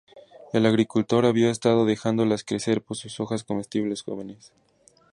El agricultor había estado dejándolas crecer por sus hojas comestibles jóvenes.